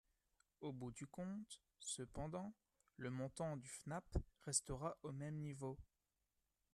Au bout du compte, cependant, le montant du FNAP restera au même niveau.